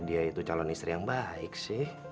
dia itu calon istri yang baik sih